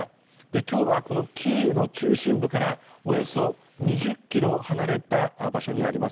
今日はキーウの中心部からおよそ２０ｋｍ離れた場所にあります